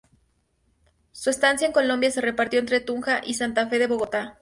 Su estancia en Colombia se repartió entre Tunja y Santa Fe de Bogotá.